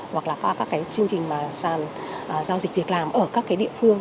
hoặc là các chương trình sàn giao dịch việc làm ở các địa phương